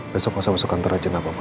besok masa masuk kantor aja gak apa apa